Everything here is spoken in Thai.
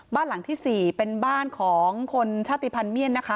บ้านหลังที่๔เป็นบ้านของคนชาติภัณฑ์เมียนนะคะ